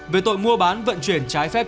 về tội mua bán vận chuyển trái phép